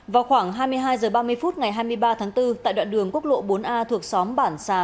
vào khoảng hai mươi hai h ba mươi phút ngày hai mươi ba tháng bốn tại đoạn đường quốc lộ bốn a thuộc xóm bản xá